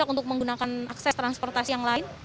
untuk menggunakan akses transportasi yang lain